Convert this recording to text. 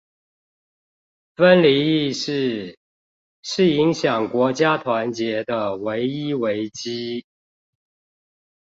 分離意識，是影響國家團結的唯一危機